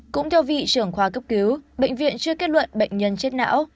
cũng theo vị trưởng khoa cấp cứu bệnh viện chưa kết luận bệnh nhân chết não